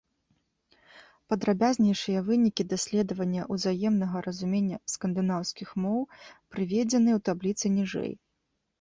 Падрабязнейшыя вынікі даследавання ўзаемнага разумення скандынаўскіх моў прыведзеныя ў табліцы ніжэй.